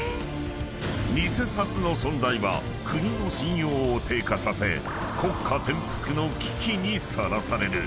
［偽札の存在は国の信用を低下させ国家転覆の危機にさらされる］